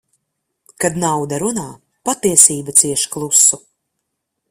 Kad nauda runā, patiesība cieš klusu.